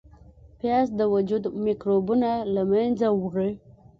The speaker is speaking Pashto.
پیاز د وجود میکروبونه له منځه وړي